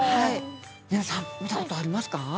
ねるさん見たことありますか？